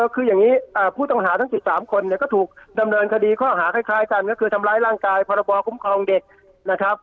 คืออย่างนี้ผู้ต้องหาทั้ง๑๓คนเนี่ยก็ถูกดำเนินคดีข้อหาคล้ายกันก็คือทำร้ายร่างกายพรบคุ้มครองเด็กนะครับ